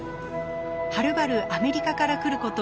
はるばるアメリカから来ること